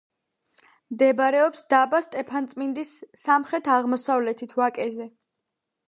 მდებარეობს დაბა სტეფანწმინდის სამხრეთ-აღმოსავლეთით, ვაკეზე.